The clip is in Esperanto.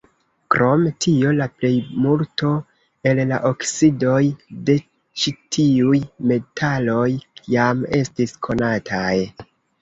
Krom tio la plejmulto el la oksidoj de ĉi-tiuj metaloj jam estis konataj.